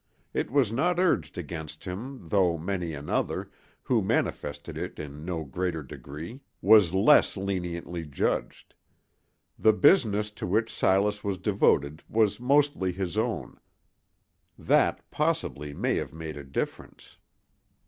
It was not urged against him, though many another, who manifested it in no greater degree, was less leniently judged. The business to which Silas was devoted was mostly his own—that, possibly, may have made a difference.